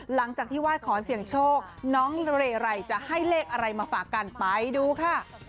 หลังจากที่ไหว้ขอเสี่ยงโชคน้องเรไรจะให้เลขอะไรมาฝากกันไปดูค่ะ